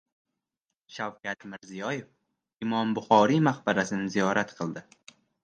Shavkat Mirziyoev Imom Buxoriy maqbarasini ziyorat qildi